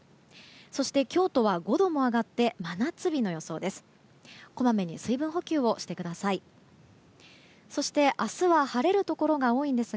そして京都は５度も上がって真夏日の予想です。